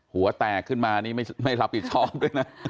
หัวแตกขึ้นมานี่ไม่รับผิดชอบด้วยนะ